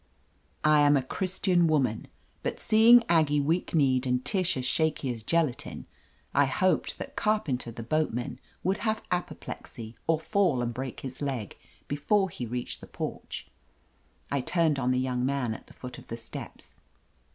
I am a Christian woman, but seeing Aggie weak kneed and Tish as shaky as gelatine, I hoped that Carpenter, the boatman, would have apo plexy or fall and break his leg before he reached the porch. I turned on the young man at the foot of the steps.